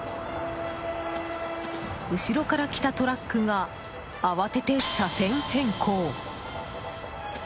後ろから来たトラックが慌てて車線変更。